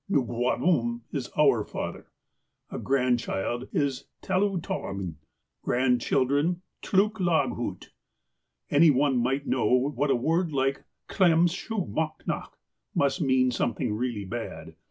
"Nugwahdum" is "our father." A grandchild is '' Tclutaghn. '' Grandchildren, '' Tclu laghut." Any one might know that a word like "Tclem shu mahnak " must mean something real bad.